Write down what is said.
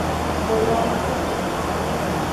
বলো আমাকে।